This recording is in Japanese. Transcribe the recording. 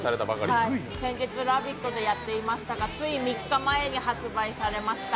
先日、「ラヴィット！」でやっていましたが、つい３日前に発売されました。